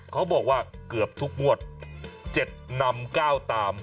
เขาบอกว่าเกือบทุกงวด๗นำ๙ตาม